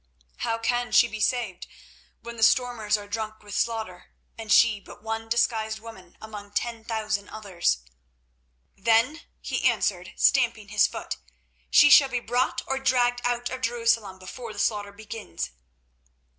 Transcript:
"How can she be saved when the stormers are drunk with slaughter, and she but one disguised woman among ten thousand others?" "Then," he answered, stamping his foot, "she shall be brought or dragged out of Jerusalem before the slaughter begins."